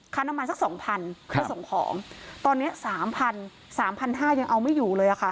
น้ำมันสักสองพันเพื่อส่งของตอนเนี้ยสามพันสามพันห้ายังเอาไม่อยู่เลยอะค่ะ